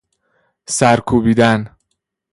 سر کوبیدن